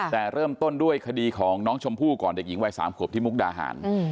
แต่เริ่มต้นด้วยคดีของน้องชมพู่ก่อนเด็กหญิงวัย๓ขวบที่มุกดาหาร